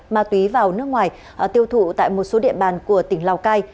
ma túy vào nước ngoài tiêu thụ tại một số địa bàn của tỉnh lào cai